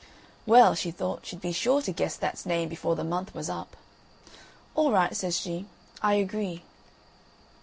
Well, she thought she'd be sure to guess that's name before the month was up. "All right," says she, "I agree."